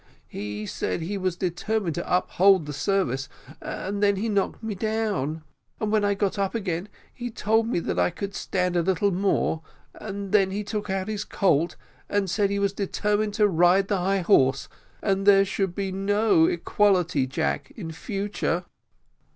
He said he was determined to uphold the service, and then he knocked me down and when I got up again he told me that I could stand a little more and then he took out his colt, and said he was determined to ride the high horse and that there should be no Equality Jack in future."